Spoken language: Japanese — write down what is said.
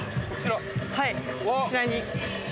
はいこちらに。